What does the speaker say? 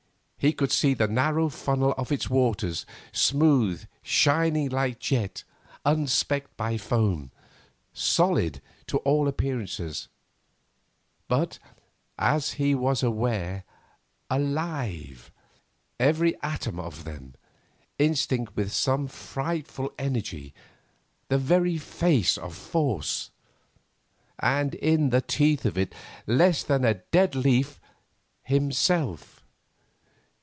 He could see the narrow funnel of its waters, smooth, shining like jet, unspecked by foam, solid to all appearances; but, as he was aware, alive, every atom of them, instinct with some frightful energy, the very face of force—and in the teeth of it, less than a dead leaf, himself.